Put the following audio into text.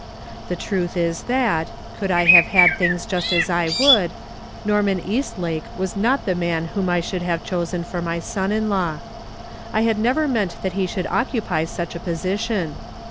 The truth is that, could I have had things just as I would, Norman Eastlake was not the man whom I should have chosen for my son in law. I had never meant that he should occupy such a position.